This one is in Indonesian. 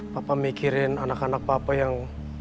papa mikirin anak anak papa yang